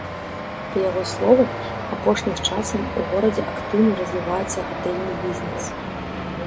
Па яго словах, апошнім часам у горадзе актыўна развіваецца гатэльны бізнэс.